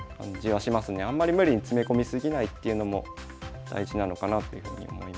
あんまり無理に詰め込み過ぎないっていうのも大事なのかなというふうに思います。